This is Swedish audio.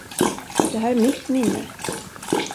Det här är mitt minne.